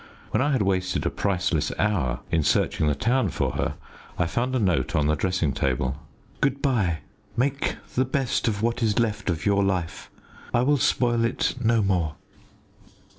When I had wasted a priceless hour in searching the town for her, I found a note on the dressing table "Good bye! Make the best of what is left of your life. I will spoil it no more."